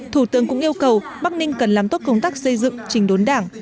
thủ tướng cũng yêu cầu bắc ninh cần làm tốt công tác xây dựng trình đốn đảng